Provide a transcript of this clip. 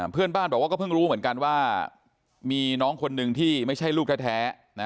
เพื่อนบ้านบอกว่าก็เพิ่งรู้เหมือนกันว่ามีน้องคนหนึ่งที่ไม่ใช่ลูกแท้